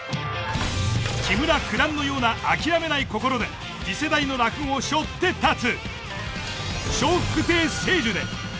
木村九段のような諦めない心で次世代の落語をしょって立つ。